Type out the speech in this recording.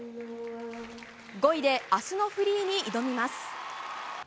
５位で明日のフリーに挑みます。